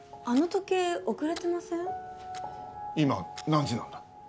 今何時なんだ？